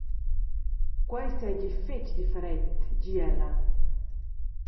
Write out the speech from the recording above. Quei seigi fetg different, di ella.